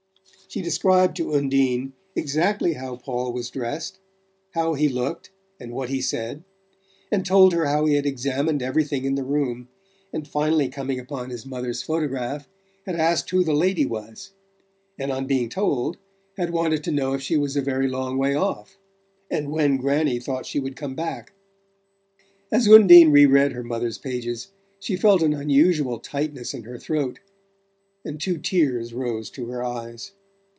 She described to Undine exactly how Paul was dressed, how he looked and what he said, and told her how he had examined everything in the room, and, finally coming upon his mother's photograph, had asked who the lady was; and, on being told, had wanted to know if she was a very long way off, and when Granny thought she would come back. As Undine re read her mother's pages, she felt an unusual tightness in her throat and two tears rose to her eyes.